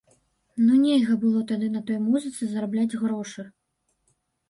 Ну, нельга было тады на той музыцы зарабляць грошы.